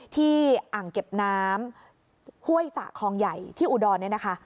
อ่างเก็บน้ำห้วยสะคลองใหญ่ที่อุดรเนี่ยนะคะ